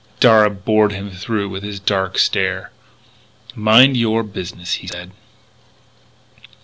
Darragh bored him through with his dark stare: "Mind your business," he said.